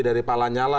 dari pak lanyala